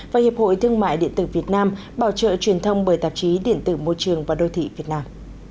và hiệp hội thương mại điện tử việt nam bảo trợ truyền thông bởi tạp chí điện tử môi trường và đô thị việt nam